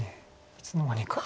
いつの間にか。